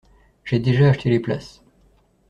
J'ai déjà acheté les places.